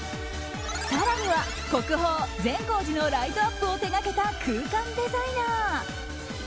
更には国宝・善光寺のライトアップを手掛けた空間デザイナー。